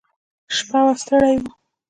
شپه وه ستړي وو.